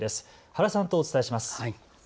原さんとお伝えします。